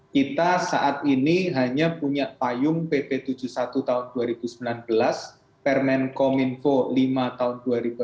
kita saat ini hanya punya payung pp tujuh puluh satu tahun dua ribu sembilan belas permen kominfo lima tahun dua ribu delapan belas